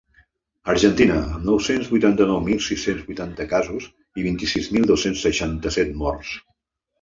Argentina, amb nou-cents vuitanta-nou mil sis-cents vuitanta casos i vint-i-sis mil dos-cents seixanta-set morts.